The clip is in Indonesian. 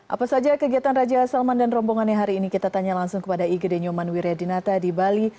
apa saja kegiatan raja salman dan rombongannya hari ini kita tanya langsung kepada igd nyoman wiryadinata di bali